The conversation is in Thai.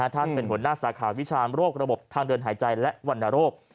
ท่านเป็นหัวหน้าสาขาวิชาณโรคระบบทางเดินหายใจและวรรณโรค